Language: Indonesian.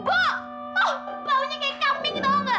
oh baunya kayak kambing tau nggak